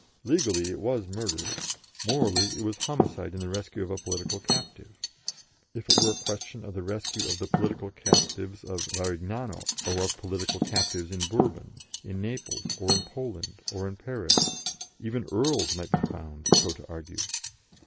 Legally, it was murder; morally, it was homicide in the rescue of a political captive. If it were a question of the rescue of the political captives of Varignano, or of political captives in Bourbon, in Naples, or in Poland, or in Paris, even earls might be found so to argue.